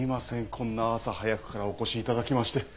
こんな朝早くからお越しいただきまして。